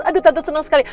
aduh tante seneng sekali